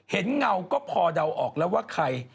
เงาก็พอเดาออกแล้วว่าใคร